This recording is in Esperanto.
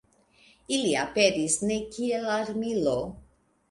Ili aperis ne kiel armilo.